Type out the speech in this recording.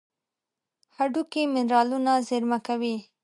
هډوکي منرالونه زیرمه کوي.